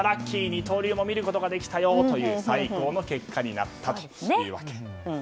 二刀流も見ることができたよという最高の結果になったわけです。